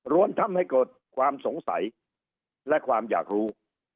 ทำให้เกิดความสงสัยและความอยากรู้